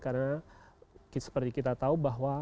karena seperti kita tahu bahwa